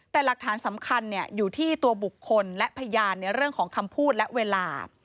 แต่หลักฐานสำคัญอยู่ที่ตัวบุคคลและพยานในเรื่องของคำพูดและเวลา